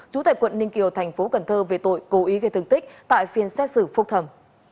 trú tại quận ninh kiều thành phố cần thơ về tội cố ý gây thương tích tại phiên xét xử phúc thẩm